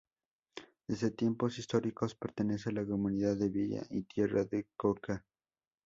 Desde tiempos históricos pertenece a la Comunidad de Villa y Tierra de Coca.